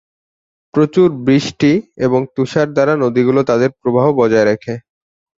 প্রচুর বৃষ্টি এবং তুষার দ্বারা নদীগুলো তাদের প্রবাহ বজায় রাখে।